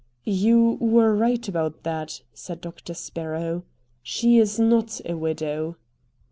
"You were right about that," said Doctor Sparrow; "she is not a widow."